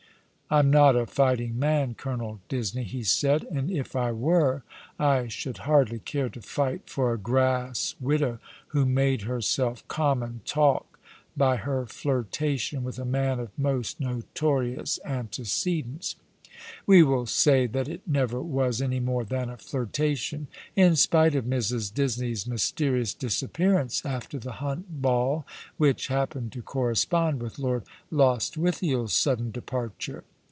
"I'm not a fighting man. Colonel Disney/' he said; "and if I were I should hardly care to fight for a grass widow who made herself common talk by her flirtation with a man of most notorious antecedents. We will say that it never was any more than a flirtation — in spite of Mrs. Disney's mys terious disappearance after the Hunt Ball, which happened to correspond with Lord Lostwithiel's sudden departure.